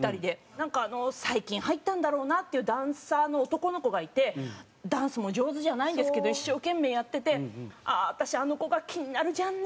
なんかあの最近入ったんだろうなっていうダンサーの男の子がいてダンスも上手じゃないんですけど一生懸命やってて「私あの子が気になるじゃんね」。